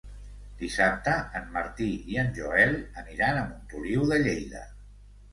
Dissabte en Martí i en Joel aniran a Montoliu de Lleida.